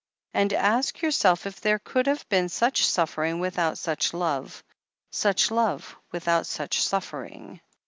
And ask yourself if there could have been such suffering with out such love — such love without such suffering."